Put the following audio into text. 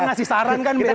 kita ngasih saran kan